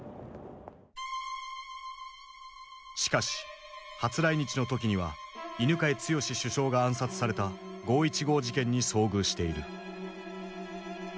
しかし初来日の時には犬養毅首相が暗殺された五・一五事件に遭遇している。